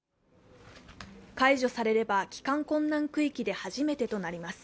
解除されれば帰還困難区域で初めてとなります。